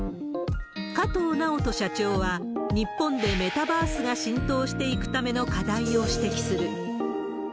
加藤直人社長は、日本でメタバースが浸透していくための課題を指摘する。